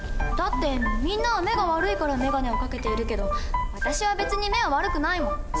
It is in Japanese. だってみんなは目が悪いからメガネをかけているけど私は別に目は悪くないもん。